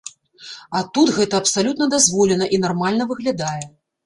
А тут гэта абсалютна дазволена і нармальна выглядае.